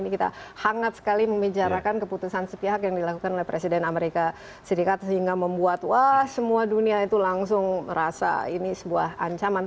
ini kita hangat sekali membicarakan keputusan sepihak yang dilakukan oleh presiden amerika serikat sehingga membuat semua dunia itu langsung merasa ini sebuah ancaman